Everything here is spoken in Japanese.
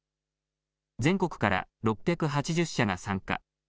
全国から６８０社が参加。